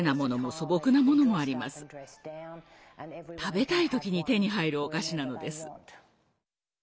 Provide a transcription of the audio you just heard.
食べたい時に手に入るお菓子なのです。